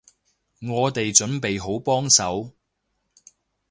我哋準備好幫手